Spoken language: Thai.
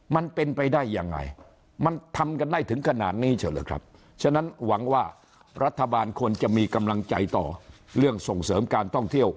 มันเป็นไปได้ยังไงมันทำกันได้ถึงขนาดนี้เช่าหรือครับฉะนั้นหวังว่ารัฐบาลควรจะมีกำลังใจต่อเรื่องส่งเสริมการท่องเที่ยว